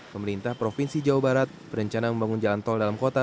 pemerintah provinsi jawa barat berencana membangun jalan tol dalam kota